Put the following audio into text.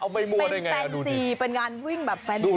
เป็นแฟนซีเป็นงานวิ่งแบบแฟนซี